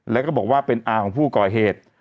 แล้วก็บอกว่าเป็นอาของผู้ก่อเหตุ